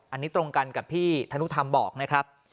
อันนี้ตรงกันกับพี่ธนุธรรมบอกนะครับ